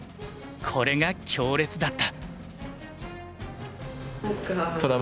これが強烈だった。